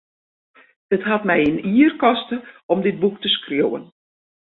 It hat my in jier koste om dit boek te skriuwen.